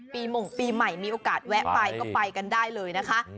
หม่งปีใหม่มีโอกาสแวะไปก็ไปกันได้เลยนะคะ